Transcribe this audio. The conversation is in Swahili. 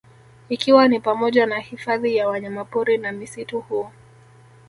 Ikiwa ni pamoja na hifadhi ya wanyamapori na misitu huu